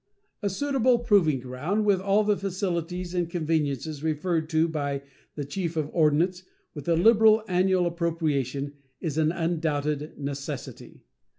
A suitable proving ground, with all the facilities and conveniences referred to by the Chief of Ordnance, with a liberal annual appropriation, is an undoubted necessity.